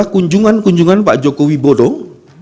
kunjungan kunjungan pak jokowi bodong